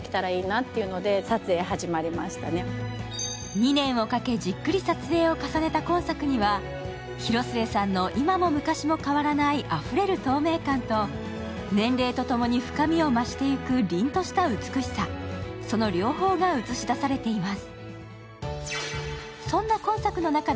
２年をかけじっくり撮影を重ねた今作には広末さんの今も昔も変わらないあふれる透明感と年齢と共に深みを増していく凛とした美しさ、その両方が映し出されています。